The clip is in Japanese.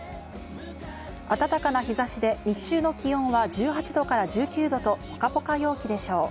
暖かな日差しで日中の気温は１８度１９度とポカポカ陽気でしょう。